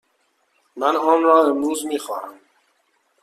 من آن را امروز می خواهم.